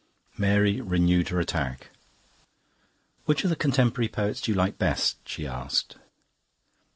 Mary renewed her attack. "Which of the contemporary poets do you like best?" she asked.